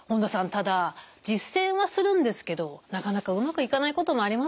ただ実践はするんですけどなかなかうまくいかないこともありますよね。